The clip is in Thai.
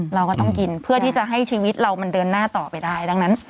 เราก็ต้องกินเพื่อที่จะให้ชีวิตเรามันเดินหน้าต่อไปได้ดังนั้น